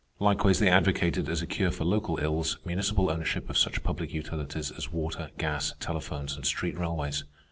Likewise they advocated, as a cure for local ills, municipal ownership of such public utilities as water, gas, telephones, and street railways.